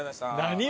何？